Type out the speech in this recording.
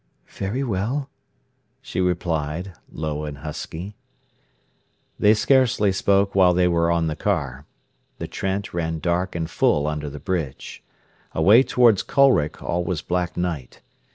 "Very well," she replied, low and husky. They scarcely spoke while they were on the car. The Trent ran dark and full under the bridge. Away towards Colwick all was black night.